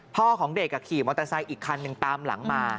พ่อของเด็กขี่มอเตอร์ไซค์อีกคันหนึ่งตามหลังมา